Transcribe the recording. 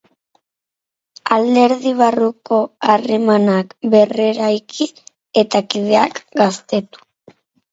Alderdi barruko harremanak berreraiki, eta kideak gaztetu.